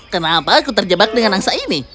kenapa aku terjebak dengan angsa ini